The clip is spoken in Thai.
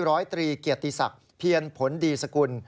ร้อยตรีเกียรติศักดิ์เพียรผลดีสกุล